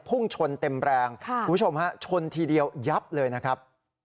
พุ่งชนเต็มแรงคุณผู้ชมฮะชนทีเดียวยับเลยนะครับ